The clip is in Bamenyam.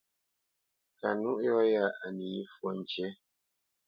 Kanúʼ yɔ̂ lɔ nî fwo ŋkǐ.